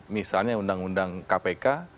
misalnya undang undang kpk